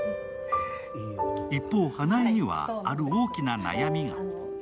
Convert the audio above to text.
一方、花枝にはある大きな悩みが。